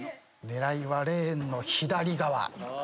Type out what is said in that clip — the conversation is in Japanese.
狙いはレーンの左側。